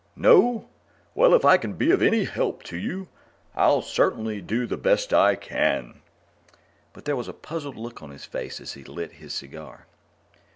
No? Well, if I can be of any help to you, I'll certainly do the best I can." But there was a puzzled look on his face as he lit his cigar.